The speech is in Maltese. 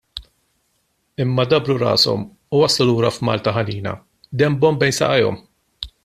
Imma dabbru rashom u waslu lura f'Malta ħanina, denbhom bejn saqajhom.